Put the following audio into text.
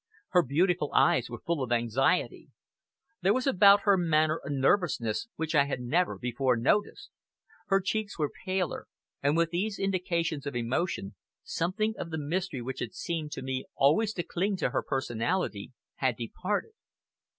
Her beautiful eyes were full of anxiety. There was about her manner a nervousness which I had never before noticed. Her cheeks were paler, and with these indications of emotion, something of the mystery which had seemed to me always to cling to her personality had departed.